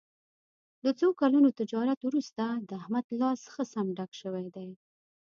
له څو کلونو تجارت ورسته د احمد لاس ښه سم ډک شوی دی.